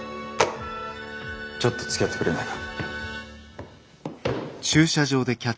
ちょっとつきあってくれないか？